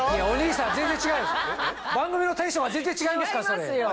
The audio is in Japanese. お兄さん全然違います。